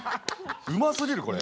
うますぎるこれ。